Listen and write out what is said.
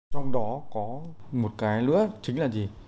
trong đó có một cái nữa chính là gì